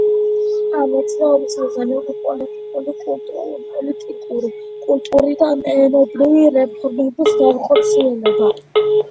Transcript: ამ მოძრაობის მიზანი იყო პოლიტიკური, კულტურული და ენობრივი რეფორმების განხორციელება.